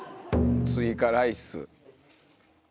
追加ライス！